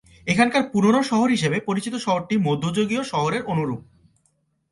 এখনকার পুরনো শহর হিসাবে পরিচিত শহরটি মধ্যযুগীয় শহরের অনুরুপ।